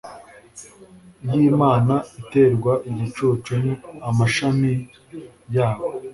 y imana iterwa igicucu n amashami yawo